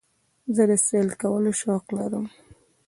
زه د سیل کولو شوق لرم.